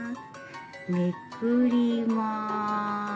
めくります。